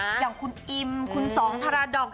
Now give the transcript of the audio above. อย่างคุณอิมคุณสองพาราดอก